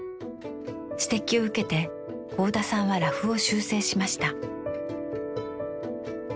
指摘を受けて合田さんはラフを修正しました。